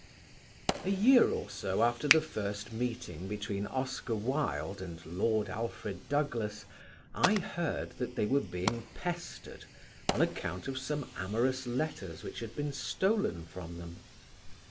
A year or so after the first meeting between Oscar Wilde and Lord Alfred Douglas I heard that they were being pestered on account of some amorous letters which had been stolen from them.